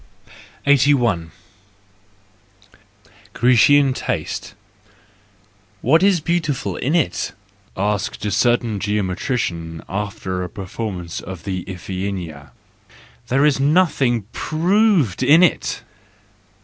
8i. Grecian Taste ,.—"What is beautiful in it?"— asked a certain geometrician, after a performance of the Iphigenia —" there is nothing proved in it!